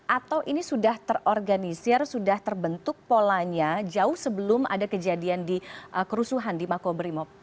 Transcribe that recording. atau ini sudah terorganisir sudah terbentuk polanya jauh sebelum ada kejadian di kerusuhan di makobrimob